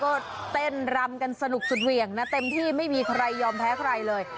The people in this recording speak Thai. ก็เต้นรำกันสนุกสุดเหวี่ยงนะเต็มที่ไม่มีใครยอมแพ้ใครเลย